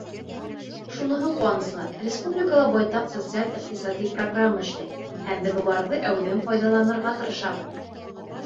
Шуныһы ҡыуаныслы: республикала байтаҡ социаль-иҡтисади программа эшләй һәм беҙ уларҙы әүҙем файҙаланырға тырышабыҙ.